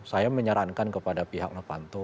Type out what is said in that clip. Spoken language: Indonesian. saya menyarankan kepada pihak pak setiano panto